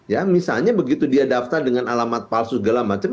ya misalnya begitu dia daftar dengan alamat palsu segala macam